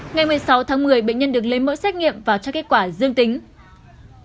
ngày một mươi sáu tháng một mươi bệnh nhân được lấy mẫu xét nghiệm và cho kết quả dương tính